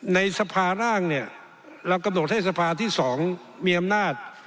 ในสภาร่างเนี่ยเรากำหนดให้สภาที่๒มีอำนาจ